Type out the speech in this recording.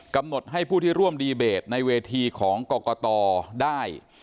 กำหนดให้ผู้ที่ร่วมดีเบตในเวทีของกรกตได้